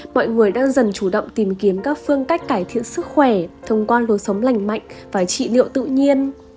mọi người đang dần chủ động tìm kiếm các phương cách cải thiện sức khỏe thông qua lối sống lành mạnh và trị liệu tự nhiên